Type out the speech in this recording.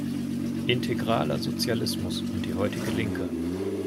Integraler Sozialismus und die heutige Linke".